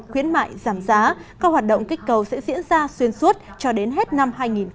khuyến mại giảm giá các hoạt động kích cầu sẽ diễn ra xuyên suốt cho đến hết năm hai nghìn hai mươi